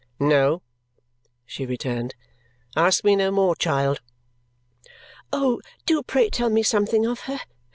"No," she returned. "Ask me no more, child!" "Oh, do pray tell me something of her.